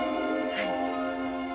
はい。